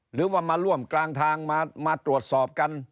หรือว่ามาร่วมกลางทางมาตรวจสอบกัน